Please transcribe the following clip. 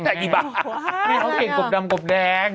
นี่เขาเก่งกบดำกบแดง